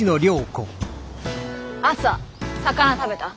朝魚食べた？